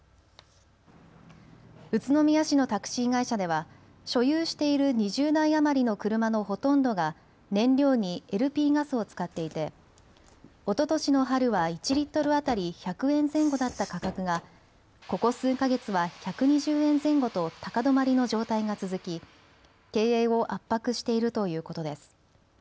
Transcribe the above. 宇都宮市のタクシー会社では所有している２０台余りの車のほとんどが燃料にＬＰガスを使っていておととしの春は１リットル当たり１００円前後だった価格がここ数か月は１２０円前後と高止まりの状態が続き経営を圧迫しているということです。